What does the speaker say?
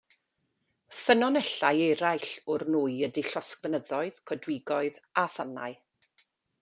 Ffynonellau eraill o'r nwy ydy llosgfynyddoedd, coedwigoedd a thanau.